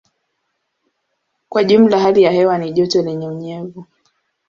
Kwa jumla hali ya hewa ni joto lenye unyevu.